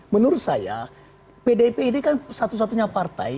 menurut saya pdip ini kan satu satunya partai